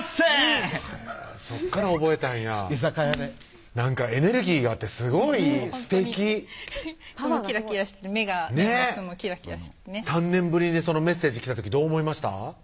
そこから覚えたんや居酒屋でなんかエネルギーがあってすごいすてき目がいつもキラキラしてね３年ぶりにそのメッセージ来た時どう思いました？